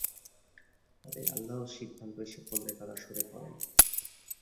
পরে আল্লাহর সিদ্ধান্ত এসে পড়লে তারা সরে পড়েন।